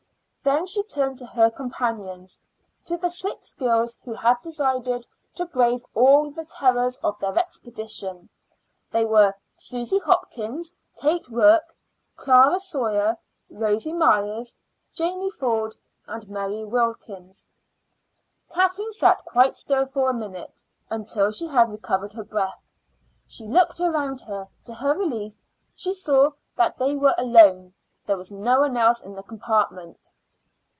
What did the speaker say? Then she turned to her companions to the six girls who had decided to brave all the terrors of their expedition. They were Susy Hopkins, Kate Rourke, Clara Sawyer, Rosy Myers, Janey Ford, and Mary Wilkins. Kathleen sat quite still for a minute until she had recovered her breath. She looked around her. To her relief, she saw that they were alone. There was no one else in the compartment.